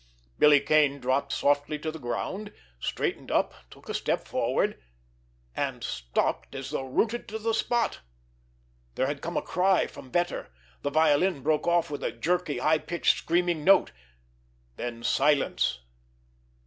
Billy Kane dropped softly to the ground, straightened up, took a step forward—and stopped as though rooted to the spot. There had come a cry from Vetter. The violin broke off with a jerky, high pitched, screaming note. Then silence.